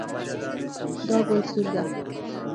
دا ګل سور ده